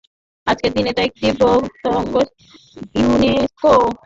আজকের দিনে এটা একটি প্রত্নস্থল এবং ইউনেস্কো স্থানটিকে একটি ওয়ার্ল্ড হেরিটেজ সাইট হিসেবে ঘোষণা করেছে।